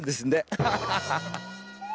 アハハハハ。